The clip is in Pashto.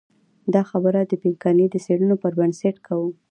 دا خبره د پینکني د څېړنو پر بنسټ کوو.